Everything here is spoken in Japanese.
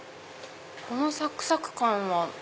このサクサク感は。